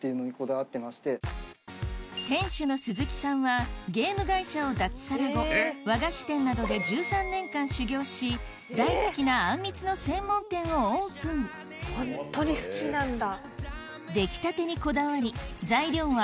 店主の鈴木さんはゲーム会社を脱サラ後和菓子店などで１３年間修業し大好きなあんみつの専門店をオープンホントに好きなんだ。